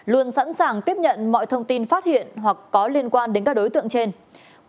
luôn sẵn sàng tiếp nhận mọi thông tin phát hiện hoặc có liên quan đến các đối tượng trên